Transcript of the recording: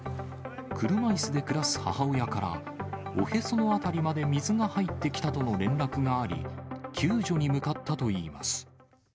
車いすで暮らす母親から、おへその辺りまで水が入ってきたとの連絡があり、救助に向かったといいます。